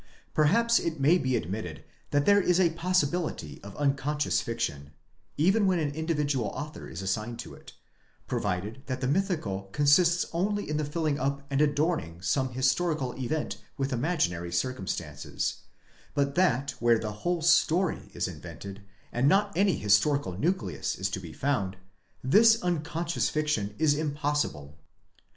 Perhaps it may be admitted that there is a possibility of unconscious fiction, even when an individual author is assigned to it, provided that the mythical consists only in the filling up and adorning some historical event with imaginary circumstances: but that where the whole story is invented, and not any historical nucleus is to be found, this unconscious fiction is impossible.